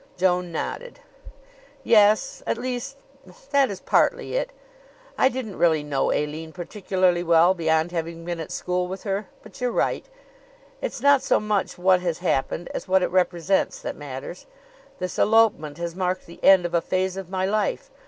Joan nodded. "Yes at least, that is partly it. I didn't really know Aline particularly well, beyond having been at school with her, but you're right. It's not so much what has happened as what it represents that matters. This elopement has marked the end of a phase of my life.